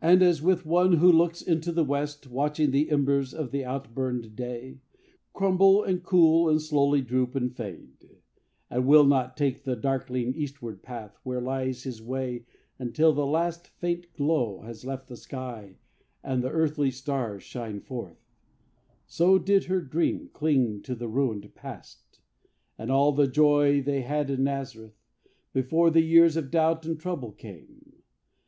And as with one who looks into the west, Watching the embers of the outburned day Crumble and cool and slowly droop and fade, And will not take the darkling eastward path Where lies his way until the last faint glow Has left the sky and the early stars shine forth, So did her dream cling to the ruined past And all the joy they had in Nazareth Before the years of doubt and trouble came.